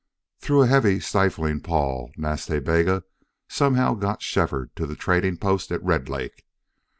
Through a heavy, stifling pall Nas Ta Bega somehow got Shefford to the trading post at Red Lake.